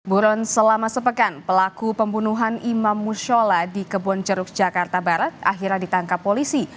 buron selama sepekan pelaku pembunuhan imam musyola di kebonceruk jakarta barat akhirnya ditangkap polisi